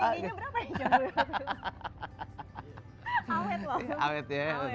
tingginya berapa ya jambulnya